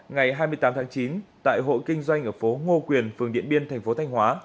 ngày hai mươi tám tháng chín tại hộ kinh doanh ở phố ngô quyền phường điện biên thành phố thanh hóa